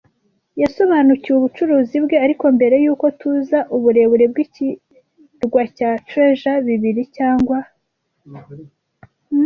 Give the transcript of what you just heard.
yasobanukiwe ubucuruzi bwe. Ariko mbere yuko tuza uburebure bwikirwa cya Treasure, bibiri cyangwa